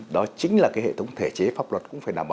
đó chính là cái hệ thống thể chế pháp luật cũng phải đảm bảo